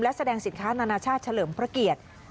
และแสดงสินค้านานาชาติเฉลิมพระเกียรติ